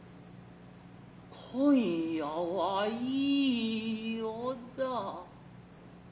今夜はいい夜だ。